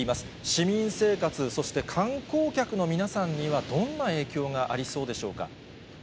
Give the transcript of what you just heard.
市民生活、そして観光客の皆さんには、どんな影響がありそうでしょうか。